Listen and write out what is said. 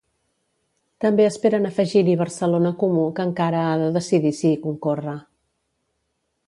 També esperen afegir-hi BComú, que encara ha de decidir si hi concorre.